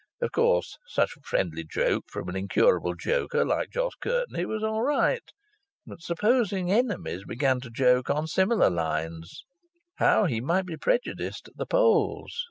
Of course such a friendly joke from an incurable joker like Jos Curtenty was all right; but supposing enemies began to joke on similar lines how he might be prejudiced at the polls!